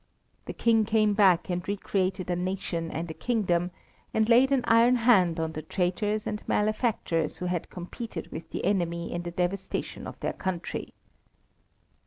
The King came back and re created a nation and a kingdom, and laid an iron hand on the traitors and malefactors who had competed with the enemy in the devastation of their country.